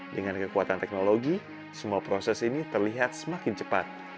dengan kekuatan teknologi semua proses ini terlihat semakin cepat